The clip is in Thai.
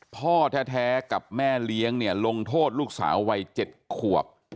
พ่อแท้กับแม่เลี้ยงเนี่ยลงโทษลูกสาววัย๗ขวบ